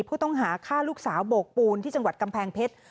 ผู้ต้องหาฆ่าลูกสาวโบกปูนที่จังหวัดกำแพงเพชร